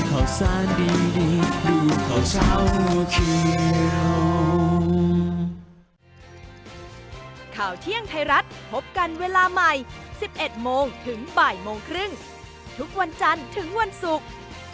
แกมนใหม่โมงครึ่งทุกวันจันทร์ถึงวันศุกร์